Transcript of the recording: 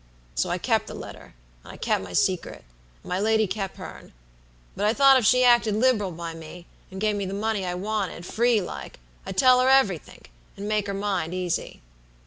"So I kep' the letter and kep' my secret, and my lady kep' hern. But I thought if she acted liberal by me, and gave me the money I wanted, free like, I'd tell her everythink, and make her mind easy.